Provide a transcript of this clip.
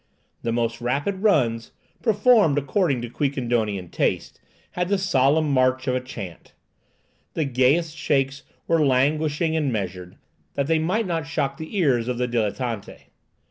The most rapid runs, performed according to Quiquendonian taste, had the solemn march of a chant. The gayest shakes were languishing and measured, that they might not shock the ears of the dilettanti.